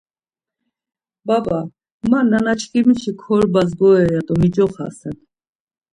Baba, ma nanaçkimişi korbas bore ya do micoxasen.